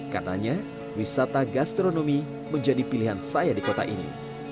karena wisata gastronomi menjadi pilihan saya di kota ini